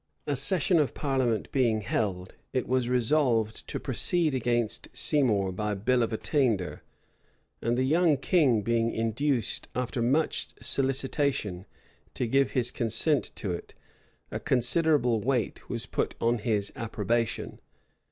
A session of parliament being held, it was resolved to proceed against Seymour by bill of attainder; and the young king being induced, after much solicitation, to give his consent to it, a considerable weight was put on his approbation.